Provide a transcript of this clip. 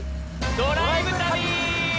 ドライブ旅！